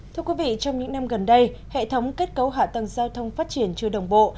thưa quý vị trong những năm gần đây hệ thống kết cấu hạ tầng giao thông phát triển chưa đồng bộ